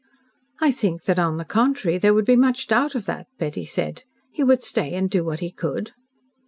"I think that, on the contrary, there would be much doubt of that," Betty said. "He would stay and do what he could."